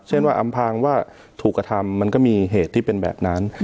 เช่นว่าอำพางว่าถูกกระทำมันก็มีเหตุที่เป็นแบบนั้น